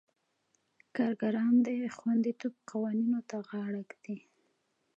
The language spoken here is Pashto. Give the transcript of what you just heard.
کارګران د خوندیتوب قوانینو ته غاړه ږدي.